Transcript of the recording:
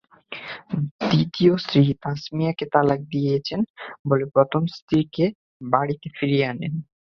দ্বিতীয় স্ত্রী তাসমিয়াকে তালাক দিয়েছেন বলে প্রথম স্ত্রীকে বাড়িতে ফিরিয়ে আনেন।